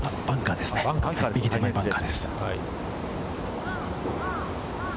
右手前のバンカーです。